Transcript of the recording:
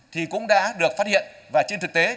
thì cũng đã được phát hiện và trên thực tế